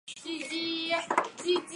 渐江和尚和石涛都曾在此居住。